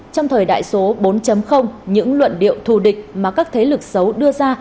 trong thời đại số bốn những luận điệu thù địch mà các thế lực xấu đưa ra